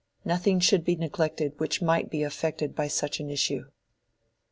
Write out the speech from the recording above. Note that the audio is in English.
Nothing should be neglected which might be affected by such an issue."